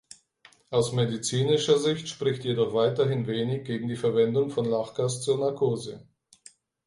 Aus medizinischer Sicht spricht jedoch weiterhin wenig gegen die Verwendung von Lachgas zur Narkose.